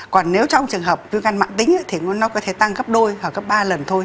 còn nếu trong trường hợp viêm gan mạng tính thì nó có thể tăng gấp đôi hoặc gấp ba lần thôi